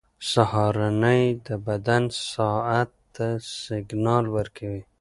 سهارنۍ د بدن ساعت ته سیګنال ورکوي.